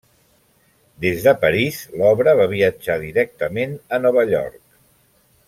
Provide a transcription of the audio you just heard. Des de París l'obra va viatjar directament a Nova York.